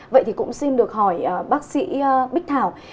vậy thì cũng xin được hỏi bác sĩ bích thảo